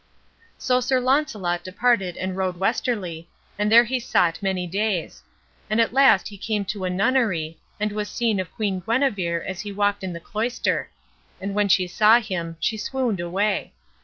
So Sir Launcelot departed and rode westerly, and there he sought many days; and at last he came to a nunnery, and was seen of Queen Guenever as he walked in the cloister; and when she saw him she swooned away.